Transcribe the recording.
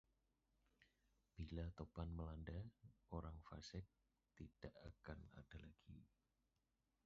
Bila topan melanda, orang fasik tidak akan ada lagi